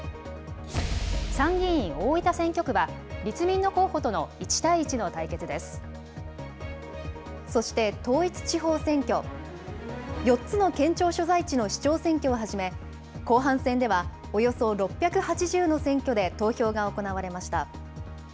参議院大分選挙区は立民の候補とのそして、統一地方選挙、４つの県庁所在地をはじめ後半戦ではおよそ６８０の選挙で投票が行われました。